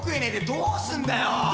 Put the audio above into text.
どうすんだよ？